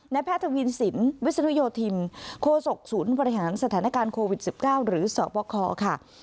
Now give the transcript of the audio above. แพทย์ทวีสินวิศนุโยธินโคศกศูนย์บริหารสถานการณ์โควิด๑๙หรือสบคค่ะ